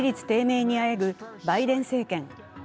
低迷にあえぐバイデン政権。